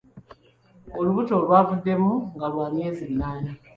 Olubuto lwavuddemu nga lwa myezi munaana.